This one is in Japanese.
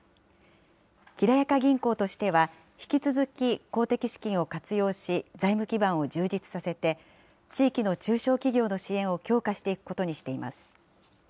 きらやか銀行としては、引き続き公的資金を活用し、財務基盤を充実させて、地域の中小企業の支援を強化していくことにしています。